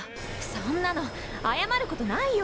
そんなの謝ることないよ！